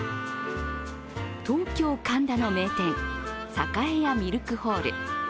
東京・神田の名店栄屋ミルクホール。